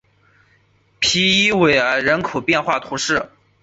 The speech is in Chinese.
皮伊韦尔人口变化图示